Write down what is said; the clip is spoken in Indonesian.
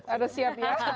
harus siap ya